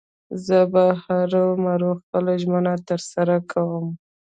زه به هرو مرو خپله ژمنه تر سره کوم.